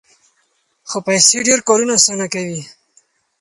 خو پیسې ډېر کارونه اسانه کوي.